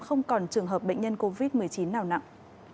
không còn trường hợp bệnh nhân covid một mươi chín nào nặng